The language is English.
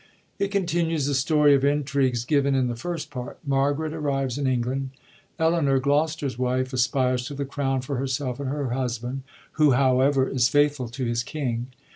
It continues the story of intrigues given in the first part. Margaret arrives in England ; Elinor, Gloster*s wife, aspires to the crown for herself and her husband, who, however, is faithful to his king.